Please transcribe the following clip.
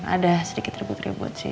ada sedikit ribut ribut sih